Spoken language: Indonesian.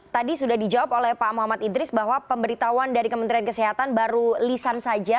tadi sudah dijawab oleh pak muhammad idris bahwa pemberitahuan dari kementerian kesehatan baru lisan saja